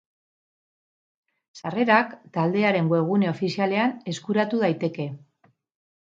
Sarrerak taldearen webgune ofizialean eskuratu daiteke.